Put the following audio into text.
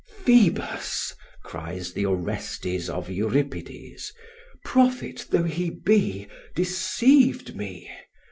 "Phoebus," cries the Orestes of Euripides, "prophet though he be, deceived me.